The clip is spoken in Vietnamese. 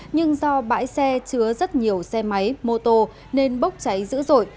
nhưng do bãi xe chứa rất nhiều xe máy mô tô nên bốc cháy dữ dội